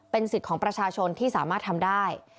สิทธิ์ของประชาชนที่สามารถทำได้